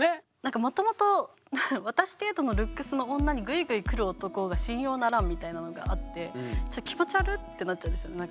もともと私程度のルックスの女にグイグイ来る男が信用ならんみたいなのがあって気持ち悪ってなっちゃうんですよ。